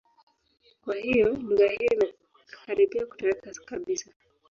Kwa hiyo, lugha hiyo imekaribia kutoweka kabisa.